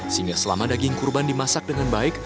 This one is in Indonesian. sehingga selama daging kurban dimasak dengan baik